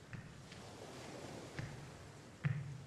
Biz Gippokrat oldida qasam ichganmiz. Gippokrat!